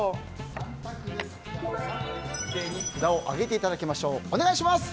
札を一斉に上げていただきましょう。